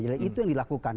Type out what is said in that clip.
jadi itu yang dilakukan